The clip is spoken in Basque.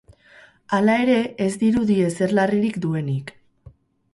Hala ere, ez dirudi ezer larririk duenik.